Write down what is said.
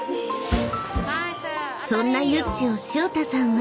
［そんなユッチを潮田さんは］